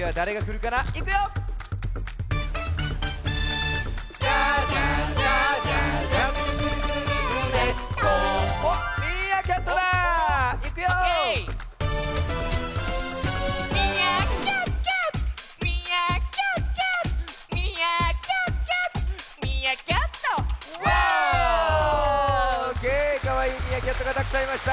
かわいいミーアキャットがたくさんいました。